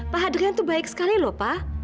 pak hadrian tuh baik sekali loh pa